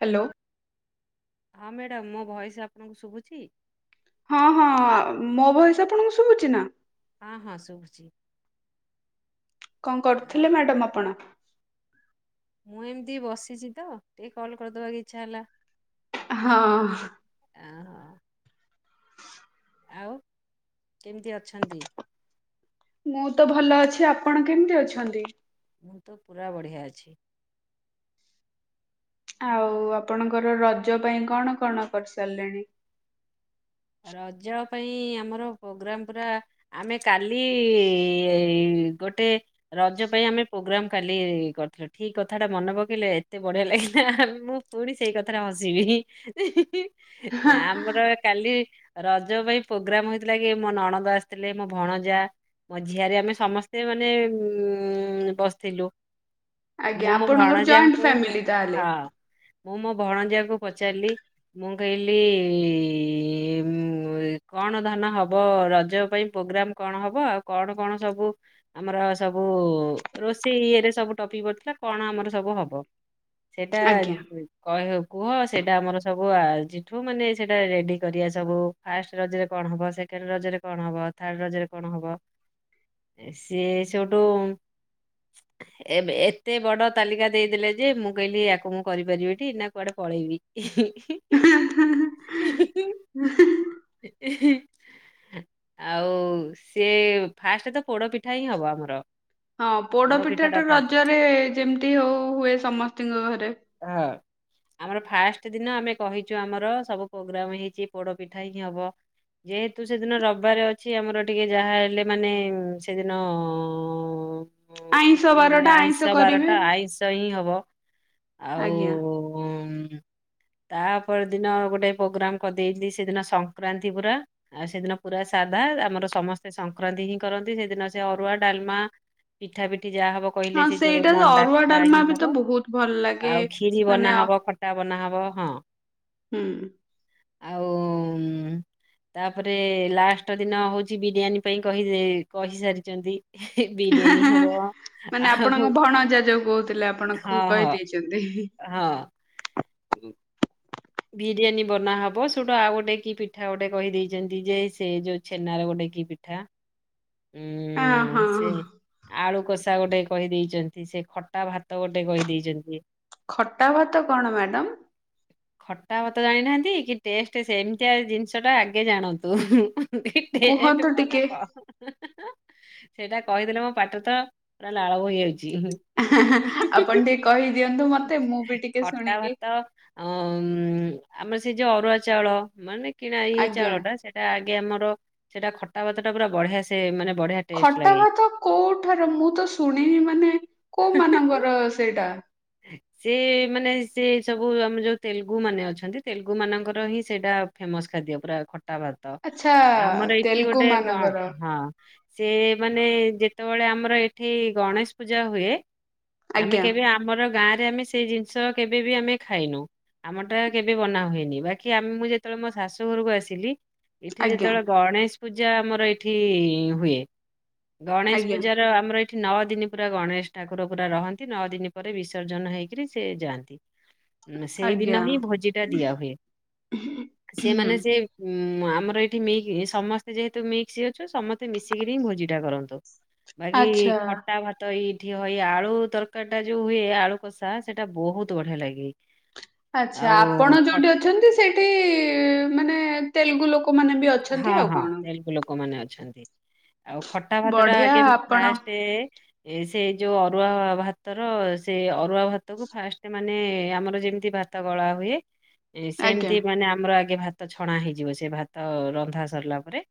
Hello. ହଁ madam ମୋ ଭୟସ ଆପଣଙ୍କୁ ଶୁଭୁଛି। ହଁ ହଁ ମୋ ବୟସ ଆପଣଙ୍କୁ ଶୁଭୁଛି ନା? ହଁ ହଁ ଶୁଭୁଛି। କ ଆଉ କରୁଥିଲେ ମ୍ୟାଡାମ୍ ଆପଣ? ମୁଁ ଏମିତି ବସିଛି ତ ଟିକେ କଲ୍ କରିଦବାକୁ ଇଚ୍ଛା ହେଲା। ହଁ । ଆ ହଁ। ଆଉ କେମିତି ଅଛନ୍ତି? ତୋ ଭଲ ଅଛି ଆପଣ କେମିତି ଅଛନ୍ତି? ମୁଁ ତ ପୁରା ବଢ଼ିଆ ଆଛି। ଆଉ ଆପଣଙ୍କର ରଜ ପାଇଁ କଣ କଣ କରିସାରିଲେଣି? ରଜ ପାଇଁ ଆମର ପ୍ରୋଗ୍ରାମ ପୁରା ଆମେ କାଲି କାଲି ଗୋଟେ ରଜ ପାଇଁ ଆମେ ପ୍ରୋଗ୍ରାମ କାଲି କରିଥିଲୁ ଠିକ କଥା ଟା ମନେ ପକେଇଲେ ଏତେ ବଢିଆ ଲାଗିଲା ମୁଁ ପୁଣି ସେଇ କଥାଟା ହସିବି ହିଁ ହିଁ ହିଁ ହିଁ [unintelligible] ଜାଆ ଆମର କାଲି ରଜ ପାଇଁ ପ୍ରୋଗ୍ରାମ ହେଇଥିଲା କି ମୋ ନଣଦ ଆସିଥିଲେ ମୋ ଭଣଜା ମୋ ଝିଆରି ଆମେ ସମସ୍ତେ ମାନେ ଉ ବସିଥିଲୁ। ଆଜ୍ଞା ମୁଁ ମୋ ଆପଣଙ୍କର ଜଏଣ୍ଟ ଭଣଜାଙ୍କୁ ଫ୍ୟାମିଲି ତାହେଲେ। ହଁ ମୁଁ ମୋ ଭଣଜିଆକୁ ପଚାରିଲି ମୁଁ କହିଲି ହୁଁ ଓଇ କଣ ତାହା ନାହେବ ରଜ ପାଇଁ ପ୍ରୋଗ୍ରାମ କଣ ହବ ଆଉ କଣ କଣ ସବୁ ଆମର ସବୁ ରୋଷେଇ ଇଏରେ ସବୁ ଟପିକ୍ ପଡ଼ିଥିଲା କଣ ଆମର ସବୁ ହବ? ସେଟା ଆଜ୍ଞା। କଇ ହଉ କୁହ ସେଇଟା ଆମର ସବୁ ଆଜିଠୁ ମାନେ ସେଇଟା ରେଡି କରି ଆସେ ସବୁ ଫାଷ୍ଟ ରଜରେ କଣ ହବ ସେକେଣ୍ଡ ରଜରେ କଣ ହବ ଥାର୍ଡ ରଜ ରେ କଣ ହବ ସିଏ ସୋଠୁ ଏବେ ଏତେ ବଡ ତାଲିକା ଦେଇଦଲେ ଯେ ମୁଁ କହିଲି ୟାକୁ ମୁଁ କରିପାରିବିନି ନା କୁଆଡ଼େ ପଳେଇବି ଇହିଁ [unintelligible] [unintelligible] [unintelligible] ଆଉ ସେ ଫାଷ୍ଟ ତ ପୋଡ଼ ପିଠା ହିଁ ହବ ଆମର । ହଁ ପୋଡପିଠା ଟା ରଜରେ ଯେମିତି ହଉ ହୁଏ ସମସ୍ତିଙ୍କ ଘରେ। ହଁ। ଆମର ଫାଷ୍ଟ ଦିନ ଆମେ କହିଛୁ ଆମର ସବୁ ପ୍ରୋଗ୍ରାମ ହେଇଛି। ପୋଡ଼ ପିଠା ହିଁ ହବ ଯେହେତୁ ସେଦିନ ରବିବାରେ ଅଛି ଆମର ଟିକେ ଯାହା ହେଲେ ମାନେ ସେଦିନ ଆଇଁଷ ବାରଟା ଆଇଁଷ କରିବେ। ବାରଟା ଆଇଁଷ ହିଁ ହବ। [unintelligible] ଆଜ୍ଞା। ତାପର ଦିନ ଗୋଟେ ପ୍ରୋଗ୍ରାମ କରି ସେଦିନ ସଂକ୍ରାନ୍ତି ପୁରା ଆଉ ସେଦିନ ପୁରା ସାଧା ଆମର ସମସ୍ତେ ସଂକ୍ରାନ୍ତି ହିଁ କରନ୍ତି ସେଦିନ ସେ ଅରୁଆ ଡାଲମା ପିଠା ପିଠି ଠି ଯାହା ହବ କହିଲେ ହଁ ଯେ ଯୋଉ ସେଇଟା ମଣ୍ଡା ଅରୁଆ ପିଠା ଡାଲମା ହିଁ ବି ତ ହବ ବହୁତ ଭଲ ଲାଗେ ଆଉ ଖିରି ମାନେ ବନାହବ ଖଟା ବନାହବ ହଁ ହୁଁ। ଆଉ ତାପରେ ବିରିୟାନୀ ହବ ମାନେ ଆଉ ଆପଣଙ୍କ ଭଣଜା ଯୋଉ କହୁଥିଲେ ହଁ ଆପଣଙ୍କୁ ହଁ କହିଦେଇଛନ୍ତି। ହଁ [inaudible] ବିରିୟାନୀ ବନାହବ ସେଇଟୁ ଆଉ ଗୋଟେ କି ପିଠା ଗୋଟେ କହିଦେଇଛନ୍ତି ଯେ ସେ ଯୋଉ ଛେନାରେ ଗୋଟେ କି ପିଠା। ହଁ ଉୁଁ ହଁ ସେ ଆଳୁ କଷା ଗୋଟେ କହିଦେଇଛନ୍ତି। ସେ ଖଟା ଭାତ ଗୋଟେ କହି ଦେଇଛନ୍ତି। ଖଟା ଭାତ କଣ ମ୍ୟାଡାମ? ଖଟା ଭାତ ଜାଣିନାହାନ୍ତି କି ଟଷ୍ଟ ସେ ଏମିତିଆ ଜିନିଷ ଟା ଆଗେ ଜାଣନ୍ତୁ। କୁହନ୍ତୁ [unintelligible] ଟିକେ? ସେଇଟା କହିଦେଲେ ମୋ ପାଟିରେ ତ ପୁରା ଲାଳ ବୋହି ଯାଉଛି। ଆପଣ ଟିକେ କହିଦିଅନ୍ତୁ ମତେ ମୁଁ ବି ଟିକେ ଶୁଣିକି ଉଁ ଆମର ସେ ଯୋଉ ଅରୁଆ ଚାଉଳ ମାନେ କିଣା ଏଇ ଆଜ୍ଞା ଚାଉଳ ସେଇଟା ଆମର ସେଇଟା ଖଟା ଭାତଟା ପୁରା ବଢିଆ ସେ ମାନେ ବଢିଆ ଟେଷ୍ଟ ଖଟା ଭାତ କୋଉଠାରୁ ମୁଁ ତ ଶୁଣିନି ମାନେ କୋଉ ଲାଗେ। ମାନଙ୍କର ସେଇଟା? ସେ ମାନେ ସେ ସବୁ ଆମ ଯୋଉ ତେଲୁଗୁ ମାନେ ଅଛନ୍ତି ତେଲୁଗୁ ମାନଙ୍କର ହିଁ ସେଇଟା ଫେମସ ଖାଦ୍ୟ ପୁରା ଖଟ ଖଟା ଭାତ ଆଚ୍ଛା ଆମର ଏଇଠି ତେଲୁଗୁ ଗୋଟେ ମାନଙ୍କର ହଁ ସେ ମାନେ ଯେତେବେଳେ ଆମର ଆମର ଏଠି ଗଣେଶ ପୂଜା ହୁଏ ଆମେ ଆଜ୍ଞା କେବେ ଗାଁରେ ଆମେ ସେଇ ଜିନିଷ କେବେ ବି ଆମେ ଖାଇନୁ ଆମଟା କେବେ ବନା ହୁଏନି ବାକି ଆମେ ମୁଁ ଯେତେବେଳେ ମୋ ଶାଶୁ ଘରକୁ ଆସିଲି ଏଠି ଆଜ୍ଞା ଯେତେବେଳେ ଗଣେଶ ପୂଜା ଆମର ଏଇଠି ହୁଏ। ଗଣେଶ ଆଜ୍ଞା ପୂଜାର ଆମର ନଅ ଦିନ ପୁରା ଗଣେଶ ଠାକୁର ପୁରା ରହନ୍ତି ନଅ ଦିନ ତାପରେ ବିସର୍ଜନ ହେଇକରି ସେ ଯାଆନ୍ତି। ଆଜ୍ଞା। ସେଇଦିନ ହିଁ ଭୋଜି ଟା ଦିଆ ହୁଏ ସେ ହୁଁ ମାନେ ସେ ଉଁ ଆମର ଏଇଠି ମିକି ସମସ୍ତେ ଯେହେତୁ ମିକ୍ସ ଅଛୁ ସମସ୍ତେ ମିଶିକିରିି ହିଁ ଭୋଜି ଟା କରନ୍ତୁ । ବାକି ଆଚ୍ଛା ଖଟା ଭାତ ଏଇ ହଇ ଆଳୁ ତରକାରୀ ସେଇଟା ଯୋଉ ହୁଏ ଆଳୁ କଷା ସେଇଟା ବହୁତ ବଢିଆ ଲାଗେ । ଆଛା ଆପଣ ଯଉଠି ଅଛନ୍ତି ସେଇଠି ଇ ମାନେ ତେଲଗୁ ଲୋକ୍ ଲୋକମାନେ ବି ଅଛନ୍ତି ଆଉ କଣ । ଛନ୍ତି । ଆଉ ଖଟା ଭାତ ଟା ଆଗେ ଆପଣ ଫାଷ୍ଟେ ଏ ସେ ଯଉ ଅରୁଆ ଭାତର ସେ ଅରୁଆ ଭାତ କୁ ଫାଷ୍ଟ ମାନେ ଆମର ଯେମିତି ଭାତ ଗଳା ହୁଏ । ଆଜ୍ଞା ସେମତି ମାନେ ଆମର ଆଗେ ଭାତ ଛଣା ହେଇଯିବ ସେ ଭାତ ଅ ରନ୍ଧା ସରିଲା ପରେ ।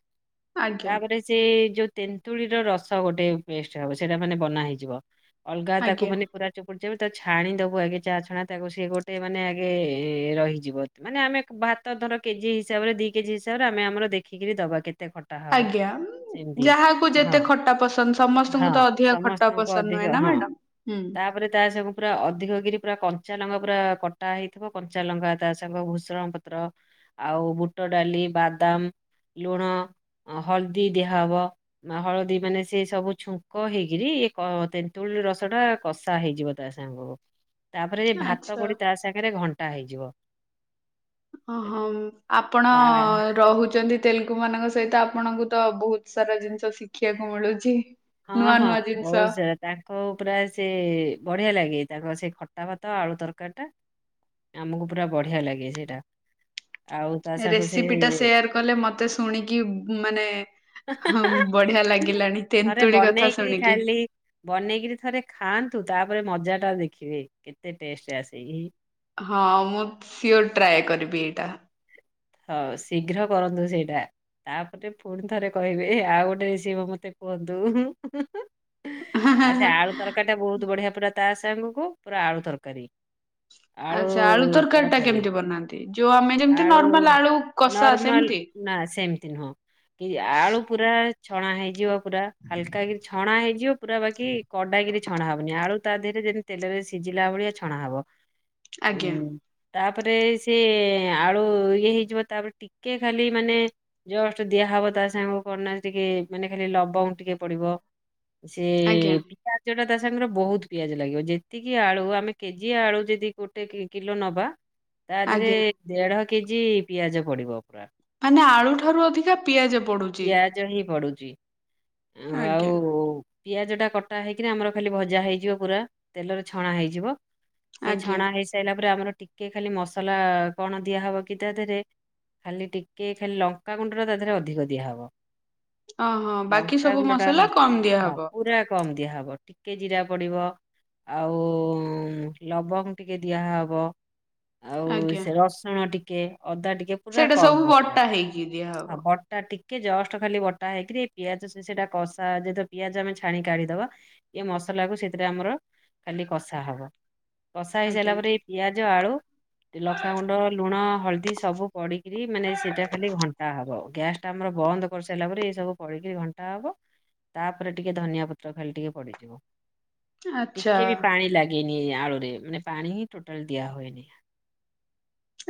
ଆଜ୍ଞା ତାପରେ ସେ ଯୋ ତେନ୍ତୁଳି ର ରସ ଗୋଟେ ପେଷ୍ଟ ହବ ସେଇଟା ମାନେ ବନା ହେଇଯିବ । ଅଲଗା ତାକୁ ଆଜ୍ଞା ମାନେ ପୁରା ଚୋ ଯଉ ତାକୁ ଛାଣି ଦବୁ ଆଗେ ଚା ଛଣା ତାକୁ ସିଏ ଗୋଟେ ମାନେ ଆଗେ ଏ ଏ ରହିଯିବ ମାନେ ଆମେ ଭାତ ଧର କେଜି ହିସାବରେ ଦି କେଜି ହିସ୍ ରେ ଆମେ ଆମର ଦେଖିକି ଦବା କେ ତେ ଖଟା ହବ ଆଜ୍ଞା। ସେମିତି ଯାହାକୁ ହଁ ଯେତେ ଖଟା ପସନ୍ଦ ସମସ୍ତଙ୍କୁ ହଁ ତ ଅଧିକା ଖଟା ସମସ୍ତଙ୍କୁ ପସନ୍ଦ ନୁହେଁ ଅଧିକ ନା ହଁ ମ୍ୟାଡାମ। ହୁଁ ତାପରେ ତା ସବୁ ପୁରା ଅଧିକ କରି ପୁରା କଞ୍ଚା ଲଙ୍କା ପୁରା କଟା ହେଇଥିବ କଞ୍ଚା ଲଙ୍କା ତା ସାଙ୍ଗ ଭୂଷଣ ପତ୍ର ଆଉ ବୁଟ ଡାଲି ବାଦାମ ଲୁଣ ହଳଦୀ ଦିଆହବ ହଳଦୀ ମାନେ ସେ ସବୁ ଛୁଙ୍କ ହେଇକିରି ଏକ ତେନ୍ତୁଳି ରସଟା କଷା ହେଇଯିବ ତା ସାଙ୍ଗକୁ । ତାପରେ ଏ ଭାତ ଆଚ୍ଛା ଗୋଡି ତା ସାଙ୍ଗରେ ଘଣ୍ଟା ହେଇ ଯିବ । ଓ ହମ୍ ଆପଣ ଅ ରହୁଛନ୍ତି ତେଲୁଗୁ ମାନଙ୍କ ସହିତ ଆପଣଙ୍କୁ ତ ବହୁତ ସାରା ଜିନିଷ ଶିଖିବାକୁ ମିଳୁଚି । ହଁ ହଁ ବହୁତ୍ ସାରା ତାଙ୍କ ପୁରା ସେ ବଢ଼ିଆ ଲାଗେ ତାଙ୍କ ସେଇ ଖଟା ଭାତ ଆଳୁ ତରକାରୀ ଟା ଆମକୁ ପୁରା ବଢ଼ିଆ ଲାଗେ ସେଇଟା । ରେସିପି ଟା ସେୟାର କଲେ ମତେ ଶୁଣିକି ମାନେ ହମ୍ ବଢିଆ ଲାଗିଲାଣି ତେନ୍ ବନେଇକରି ଖାଇଲି ବନେଇକ ଥରେ ଖାଆନ୍ତୁ ତା ତାପରେ ମଜା ଟା ଦେଖିବେ କେତେ ଟେଷ୍ଟ ଆସେ ଏ ହଁ ମୁଁ ସିଓର ଟ୍ରାଏ କରିବି ଏଇଟା। ହ ଶୀଘ୍ର କରନ୍ତୁ ସେଇଟା, ତାପରେ ପୁଣି ଥରେ କହିବେ ଆଉ ଗୋଟେ ରେସିବ ମତେ କୁହନ୍ତୁ। ଆଉ ସେ ଆଳୁ ତରକାରୀ ଟା ବହୁତ ବଢିଆ ପୁରା ତ୍ ତା ସାଙ୍ଗକୁ ପୁରା ଆଳୁ ତରକାରୀ। ଆଚ୍ଛା ଆଳୁ ତରକାରୀ ଟା କେମିତି ବନାନ୍ତି? ଯୋଉ ଆମେ ଯେମତି ଆଳୁ ନରମାଲ ଆ ନର୍ମାଲ ନା ସେମତି ନୁହଁ କି ଆଳୁ ପୁରା। ଛଣା ହେଇଯିବ। ପୁରା ହାଲକା କିରି ଛଣା ହେଇ। ବ ପୁରା ବାକି କଡାକିରି ଛଣା ହବନି ଆଳୁ ତା ଦେହରେ ଯେମତି ତେଲରେ ସିଝିଲା ଭଳିଆ ଛଣା ହବ। ଆଜ୍ଞା [unintelligible] ତାପରେ ସିଏ ଆଳୁ ଇଏ ହେଇ। ତାପରେ ଟିକେ ଖାଲି ମାନେ ଜଷ୍ଟ ଦିଆହବ ତା ସାଙ୍ଗକୁ କଣନା ଟିକେ ମାନେ ଖାଲି ଲବଙ୍ଗ ଟିକେ ପଡିବ। ସେ ଆଜ୍ଞା ପିଆଜ ଟା ତା ସାଙ୍ଗରେ ସାଙ୍ଗରେ ବହୁତ ପିଆଜ ଲାଗିବ ଯେତିକି ଆଳୁ ଆମେ କେଜିଏ ଆଳୁ ଯଦି ଗୋଟେ କିଲୋ ନେବା। ତା ଢ଼େରେ ଆଜ୍ଞା ଦେଢ଼। କେଜି। ପିଆଜ ପଡିବ। ପୁରା ମାନେ ଆଳୁଠାରୁ ଅଧିକା ପିଆଜ ପଡୁଛି। ପ୍ରି। ଆଜ୍ଞା। ପିଆଜ ଟା କଟା ହେଇକି ରି ଆମର ଖାଲି ଭଜା ହେଇଯିବ ପୁରା ତେଲରେ ଛଣା ହେଇଯିବ। ସେ ଆଜ୍ଞା ଛଣା ହେଇ ସାରିଲା ପରେ ଆମର। ଟିକେ ଖାଲି ମସଲା କଣ ଦିଆହବ କି ତା ଦେହରେ। ଖାଲି ଟିକେ ଖାଲି ଲଙ୍କା ଗୁଣ୍ଡ ଟା ତା ଦେହରେ ଅଧିକ ଦିଆହବ। ଓହୋ ବାକି ଲଙ୍କା ସବୁ ଗୁଣ୍ଡ ଟା ମସଲା କମ ଦିଆ ହଁ ହବ। ପୁରା କମ ଦିଆହବ ଟିକେ ଜିରା ପଡିବ ଆଉ ଲବଙ୍ଗ ଟିକେ ଦିଆହବ। ଆଉ ଆଜ୍ଞା ସେ ରସୁଣ ଟି କେ। ଅଦା ଟିକେ ପୁରା ସେଇଟା କମ ସବୁ ମସଲା ବଟା ହେଇକି ଦିଆହବ। ବଟା ଟି କି ଜଷ୍ଟ ଖାଲି ବଟା ହେଇକିରି ପିଆଜ ସେଟା କଷା ଯେହେତୁ ପିଆଜ ଆମେ ଛାଣି କାଢ଼ିଦବା। ଏ ମସଲା କୁ ସେଥିରେ ଆମର ଖାଲି କଷା ହବ। କଷା ଆଜ୍ଞା ହେଇସାରିଲା ପରେ ପିଆଜ ଆଳୁ ଲଖାଗୁଣ୍ଡ, ଲୁଣ, ହଳଦୀ। ସବୁ ପଡ଼ିକିରି ମାନେ ସେଇଟା ଖାଲି ଘଣ୍ଟା ହେବ ଗ୍ୟାସ୍। ଆମର ବନ୍ଦ କରିସାରିଲା ପରେ ଏଇ ସବୁ ପଡିକିରି ଘଣ୍ଟା ହବ, ତାପରେ ଟିକେ ଧନିଆ ପତ୍ର ଖାଲି ଟିକେ ପଡିଯିବ। ଆଚ୍ଛା ଟିକେ ବି ପାଣି ଲାଗେନି ଏଇଆ। ଆଳୁରେ ମାନେ ପାଣି ହି ଟୋଟାଲ ଦିଆ ହୁଏନି।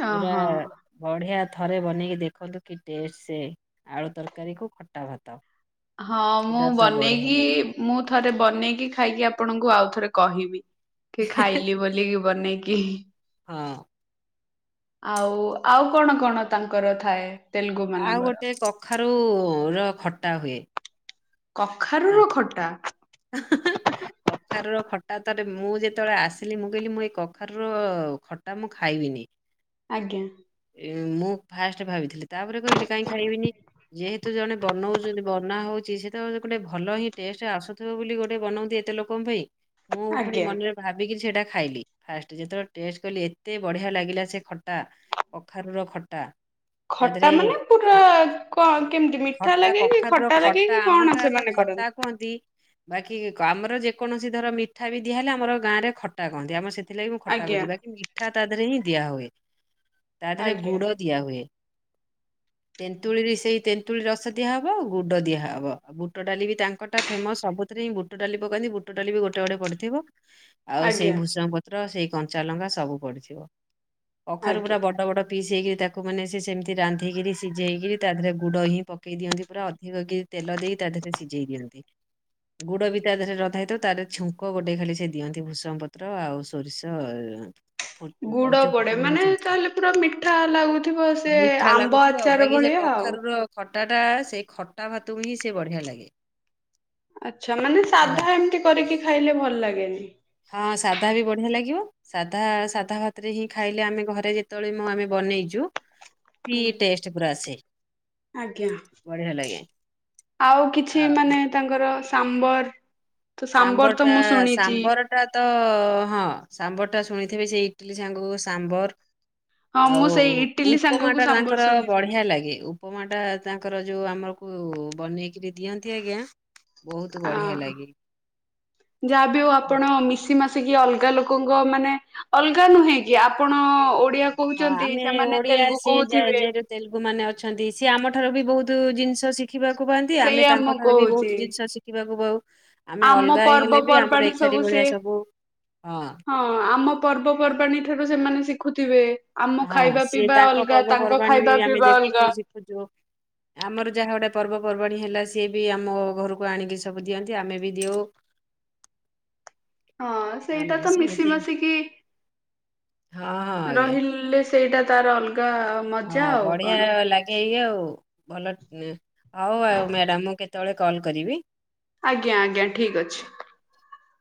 ଅ ହଁ। ବଢ଼ିଆ ଥରେ ବନେଇକି ଦେଖନ୍ତୁ କି ଟେଷ୍ଟ ସେ, ଆଳୁ ତରକାରୀକୁ ଖଟା ଭାତ। ହଁ ମୁଁ ପୁରା ତ ବଢିଆ ବନେଇକି, ଲାଗେ। ମୁଁ ଥରେ ବନେଇକି ଖାଇକି ଆପଣକୁ ଆପଣଙ୍କୁ ଆଉ ଥରେ କହିବି। କି ଖାଇଲି ବୋଲି ବନେଇକି ହଁ। ଆଉ ଆଉ କଣ କଣ ତାଙ୍କର ଥାଏ? ତେଲୁଗୁ ଆଉ ମାନଙ୍କର? ଗୋଟେ କଖାରୁ ର ଖଟା ହୁଏ। କଖାରୁର ତାଙ୍କ ଖଟା କଖାରୁ ଖ ଟା ତରେ ମୁଁ ଯେତେବେଳେ ଆସିଲି, ମୁଁ କହିଲି ମୁଁ ଏଇ କଖାରୁ ର ଖଟା ମୁଁ ଖାଇବିନି। ଆଜ୍ଞା। ମୁଁ ଫାଷ୍ଟ ଭାବିଥିଲି, ତାପରେ କହିଲି କାହିଁ ଖାଇବିନି ଯେହେତୁ ଜଣେ ବନଉଛନ୍ତି ବନା ହଉଛି ସେ ତ ଗୋଟେ ଭଲ ହିଁ ଟେଷ୍ଟ ଆସୁଥିବ ବୋଲି ଗୋଟେ ବନାଉନ୍ତି ଏତେ ଲୋକଙ୍କ ପାଇଁ। ମୁଁ ପୁଣି ଆଜ୍ଞା ମନରେ ଭାବିକି ସେଟା ଖାଇଲି, ଫାଷ୍ଟ ଯେତେବେଳେ ଟେଷ୍ଟ କଲି ଏତେ ବଢ଼ିଆ ଲାଗିଲା ସେ ଖଟା କଖାରୁୁର ଖଟା। ତା ଖଟା ଦେହରେ ମାନେ ପୁରା ଖ- କ କେମିତି ମିଠା ଖଟା ଲାଗେଇ କି କଖାରୁର ଖଟା ଲାଗେଇ କି କଣ? ଆମଟା ଖଟା ତ ସେମାନେ ଖଟା କରନ୍ତି? କୁହନ୍ତି ବାକି କାମର ଯେକୌଣସି ଧର ମିଠା ବି ଦିଆହେଲେ ଆମର ଗାଁରେ ଖଟା କହନ୍ତି ଆମର ସେ ଥିଲାବି ମୁଁ ଖଟା ଆଜ୍ଞା କରୁଛି ବାକି ମିଠା ତା ଦେହରେ ହିଁ ଦିଆ ହୁଏ। ତା ଦେହରେ ଆଜ୍ଞା ଗୁଡ ଦିଆ ହୁଏ। ତେନ୍ତୁଳିରେ ସେଇ ତେନ୍ତୁଳି ରସ ଦିଆହବ ଗୁଡ ଦିଆହବ। ବୁଟ ଡାଲି ବି ତାଙ୍କ ଟା ଫେମସ୍ ସବୁଥିରେ ହିଁ ବୁଟ ଡାଲି ପକାନ୍ତି ବୁଟଡାଲି ବି ଗୋଟେ ଆଡେ ପଡିଥିବ। ଆଉ ସେଇ ଆଜ୍ଞା ଭୂଷଙ୍ଗ ପତ୍ର ସେଇ କଞ୍ଚାଲଙ୍କା ସବୁ ପଡିଥିବ। କଖାରୁ ପୁରା ଆଜ୍ଞା। ବଡ ବଡ ପିସ୍ ହେଇକି ତାକୁ ମାନେ ସିଏ ସେମିତି ରାନ୍ଧିକିରି ସିଝେଇକିରି ତା ଦେହରେ ଗୁଡ଼ ହିଁ ପକେଇ ଦିଅନ୍ତି ପୁରା ଅଧିକକିରି ତେଲ ଦେଇ ତା ଦେହରେ ସିଝେଇ ଦିଅନ୍ତି, ଗୁଡ ବି ତା ଦେହରେ ରଧା ହେଇଥ ତାର ଛୁଙ୍କ ଗୋଟେ ଖାଲି ସେ ଦିଅନ୍ତି ଭୂଷମ ପତ୍ର ଆଉ ସୋରିଷ ଗୁଡ ପଞ୍ଚ ପଡେ ଫୁଟଣର ମାନେ ଛୁଙ୍କ। ତାହେଲେ ପୁରା ମିଠା ଲାଗୁଥିବ ସେ ମିଠା ଆମ୍ବ ଆଚାର ଭଳିଆ ଆଉ। ଖଟା ଟା ସେଇ ଖଟା ଭାତୁ ହିଁ ଏତେ ବଢିଆ ଲାଗେ। ଆଚ୍ଛା ମାନେ ପୁରା ସାଧା ଏମିତି କରିକି ଖାଇଲେ ଭଲ ଲାଗେ। [inaudible] ହଁ ସାଧା ବି ବଢିଆ ଲାଗିବ ସାଧା ସାଧା ଭାତରେ ହିଁ ଖାଇଲେ ଆମେ ଘରେ ଯେତେବେଳେ ମୁଁ ଆମେ ବନେଇଛୁ କି ହୁଁ। ଟେଷ୍ଟ ପୁରା ଆସେ। ଆଜ୍ଞା ବଢିଆ ଲାଗେ ଆଉ କିଛି ଆଉ ମାନେ ତାଙ୍କର ସାମ୍ବର। ତ ସାମ୍ବର ତ ଟା ମୁଁ ଶୁଣିଛି। ସାମ୍ବର ଟା ତ ହଁ। ସାମ୍ବର ଟା ଶୁଣିଥିବେ ସେଇ ଇଟିଲି ସାଙ୍ଗକୁ ସାମ୍ବର। ହଁ ମୁଁ ଆଉ ସେଇ ଇଟିଲି ଉପମା ସାଙ୍ଗକୁ ଟା ସାମ୍ବର ତାଙ୍କର ଶୁଣିଥିଲି। ବଢିଆ ଲାଗେ ଉପମା ଟା ତା ତାଙ୍କର ଯୋଉ ଆମକୁ ବନେଇକିରି ଦିଅନ୍ତି ଆଜ୍ଞା ବହୁତ ବଢିଆ ଲାଗେ। ଯାହା ବି ହଉ ଆପଣ ମିଶି ଆସିକି ଅଲଗା ଲୋକଙ୍କ ମାନେ ଅଲଗା ନୁହେଁ କି ଆପଣ ଓଡିଆ ହଁ କହୁଛନ୍ତି ଆମେ ସେମାନେ ଓଡିଆ ତେଲୁଗୁ ସିଏ କହୁଥିବେ। ତେଲୁଗୁ ମାନେ ଅଛନ୍ତି ସିଏ ଆମ ଠାରୁ ବି ବହୁତ ଜିନିଷ ଶି ଶିଖିବାକୁ ପାଆନ୍ତି ଆମେ ସେଇଆ ମୁଁ ତାଙ୍କଠାରୁ ବି କହୁଛି। ବହୁତ ଜିନିଷ ଶିଖିବାକୁ ପାଉ। ଆମେ ଆମ ଅଲଗା ହେଲେ ବି ଆମର ପର୍ବପର୍ବାଣିୀ ଏକାଠି ସବୁ ଭଳିଆ ସିଏ ସବୁ ହଁ ଆମ ପର୍ବପର୍ବାଣୀ ଠାରୁ ସେମାନେ ଶ ଦେଖୁଥିବେ। ହଁ ସିଏ ତାଙ୍କ ପର୍ବପର୍ବାଣୀ ବି ଖାଇବା ଆମେ ପିଇବା ଅଲଗା ଦେଖୁଛୁ ଶିଖୁଛୁ ଆମର ଯାହା ଗୋଟେ ପର୍ବ ପର୍ବାଣୀ ହେଲା ସିଏ ବି ଆମ ଘରକୁ ଆଣିକି ସବୁ ଦିଅନ୍ତି ଆମେ ବି ଦଉ। ହଁ ସେଇଟା ଆମେ ତ ସେମିତି ମିଶିମାଶିକି ହଁ ହଁ ଆଜ୍ଞା ରହିଲେ ସେଇଟା ତାର ଅଲ ହଁ ବଢିଆ ଲାଗେଇ ଆଉ। ଭଲ ହଉ ଆଉ ମ୍ୟାଡାମ ମୁଁ କେତେବେଳେ କଲ୍ କରିବି। ଆଜ୍ଞା ଆଜ୍ଞା ଠିକ ଅଛି।